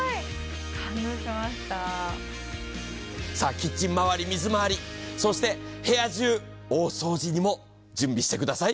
キッチン周り、水周りそして部屋中、大掃除にも準備してください。